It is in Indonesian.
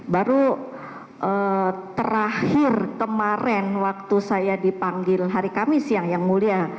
baru terakhir kemarin waktu saya dipanggil hari kamis siang yang mulia